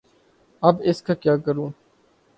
اب اس کا کیا کروں؟